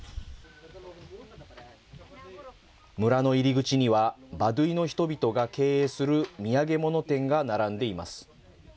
村の入り口には、バドゥイの人々が経営する土産物店が並んでいます。